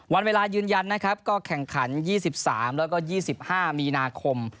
วันเวลายืนยันนะครับก็แข่งขัน๒๓แล้วก็๒๕มีนาคม